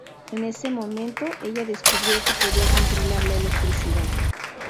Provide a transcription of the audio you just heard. En ese momento, ella descubrió que podía controlar la electricidad.